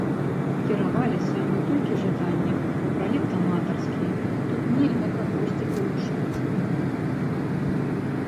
Кіраваліся мы толькі жаданнем, бо праект аматарскі, тут нельга кагосьці прымушаць.